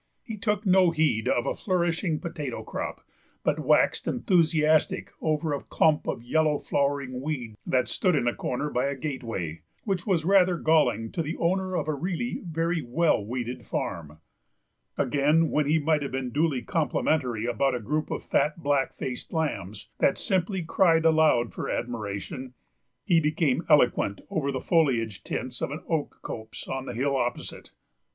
He took no heed of a flourishing potato crop, but waxed enthusiastic over a clump of yellow flowering weed that stood in a corner by a gateway, which was rather galling to the owner of a really very well weeded farm; again, when he might have been duly complimentary about a group of fat, black faced lambs, that simply cried aloud for admiration, he became eloquent over the foliage tints of an oak copse on the hill opposite.